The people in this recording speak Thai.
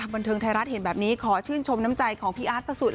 บันเทิงไทยรัฐเห็นแบบนี้ขอชื่นชมน้ำใจของพี่อาร์ตพระสุทธิ